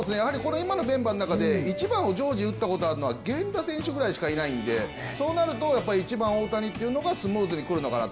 今のメンバーの中で１番を常時打ったことがあるのは源田選手くらいしかいないので、そうなると、１番・大谷というのがスムーズにくるのかと。